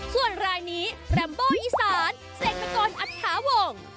ส่วนรายนี้แรมโบอีสานเสกสกรอบอัตภาวง